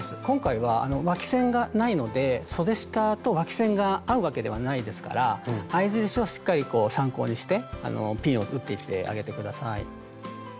今回はわき線がないのでそで下とわき線が合うわけではないですから合い印をしっかり参考にしてピンを打っていってあげて下さい。